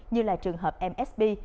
như là trường hợp msb